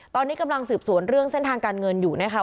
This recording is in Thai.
ตอนนี้กำลังสืบสวนเรื่องเส้นทางการเงินอยู่นะคะ